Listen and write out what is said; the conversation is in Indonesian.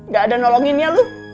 ga ada nolonginnya lu